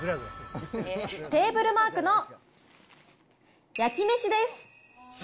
テーブルマークの焼めしです。